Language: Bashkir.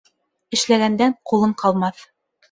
Эшләгәндән ҡулың ҡалмаҫ.